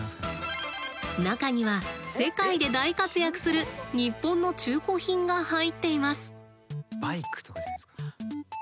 中には世界で大活躍する日本の中古品が入っています。